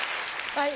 はい。